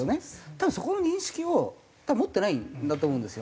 多分そこの認識を持ってないんだと思うんですよ。